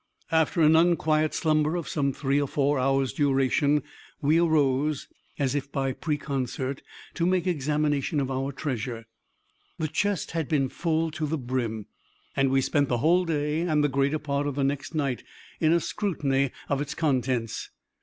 After an unquiet slumber of some three or four hours' duration, we arose, as if by preconcert, to make examination of our treasure. The chest had been full to the brim, and we spent the whole day, and the greater part of the next night, in a scrutiny of its contents.